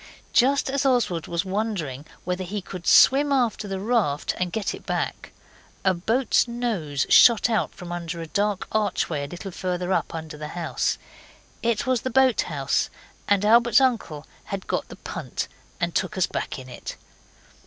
Just as Oswald was wondering whether he could swim after the raft and get it back, a boat's nose shot out from under a dark archway a little further up under the house. It was the boathouse, and Albert's uncle had got the punt and took us back in it.